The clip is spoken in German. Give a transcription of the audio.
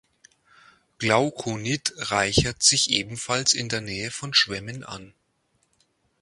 Glaukonit reichert sich ebenfalls in der Nähe von Schwämmen an.